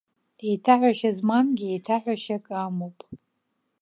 Еиҭаҳәашьа змамгьы еиҭаҳәашьак амоуп.